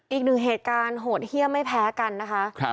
อีกหนึ่งเหตุการณ์โหดเยี่ยมไม่แพ้กันนะคะ